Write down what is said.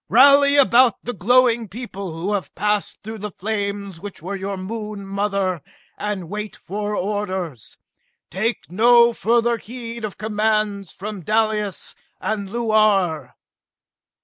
Rally about the glowing people who have passed through the flames which were your Moon mother, and wait for orders! Take no further heed of commands from Dalis and Luar!"